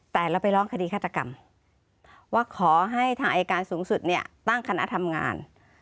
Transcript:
แต่เราไปร้องคดีฆาตกรรมว่าขอให้ทางอายการสูงสุดเนี่ยตั้งคณะทำงาน